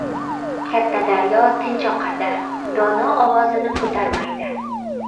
• Katta daryo tinch oqadi, dono ovozini ko‘tarmaydi.